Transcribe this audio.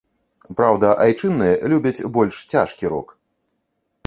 Праўда, айчынныя любяць больш цяжкі рок.